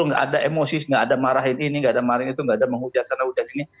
nggak ada emosi nggak ada marahin ini nggak ada marahin itu nggak ada menghujat sana hujan ini